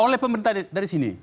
oleh pemerintah dari sini